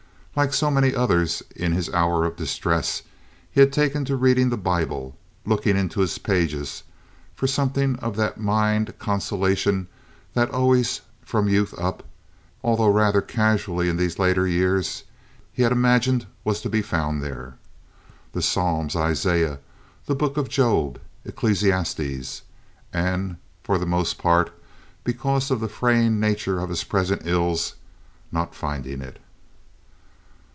Like so many others in his hour of distress, he had taken to reading the Bible, looking into its pages for something of that mind consolation that always, from youth up, although rather casually in these latter years, he had imagined was to be found there. The Psalms, Isaiah, the Book of Job, Ecclesiastes. And for the most part, because of the fraying nature of his present ills, not finding it.